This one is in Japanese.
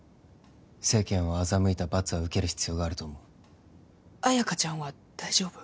世間を欺いた罰は受ける必要があると思う綾華ちゃんは大丈夫？